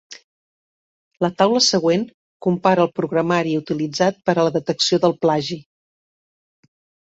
La taula següent compara el programari utilitzat per a la detecció del plagi.